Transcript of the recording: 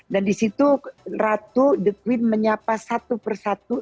dan di situ ratu the queen menyapa satu persatu